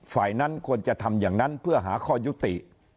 ฝ่ายนั้นควรจะทำอย่างนั้นเพื่อหาข้อยุติ